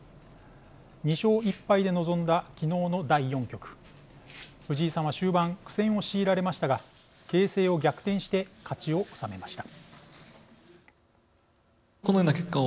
２勝１敗で臨んだ昨日の第４局藤井さんは終盤苦戦を強いられましたが形勢を逆転して勝ちを収めました。